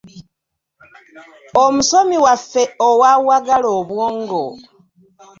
Omusomi waffe owa Wagala Obwongo.